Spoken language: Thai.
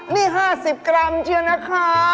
นี่๕๐กรัมเชียวนะคะ